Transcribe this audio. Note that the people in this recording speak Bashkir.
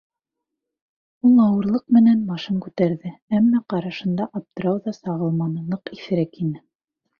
Ул ауырлыҡ менән башын күтәрҙе, әммә ҡарашында аптырау ҙа сағылманы, ныҡ иҫерек ине.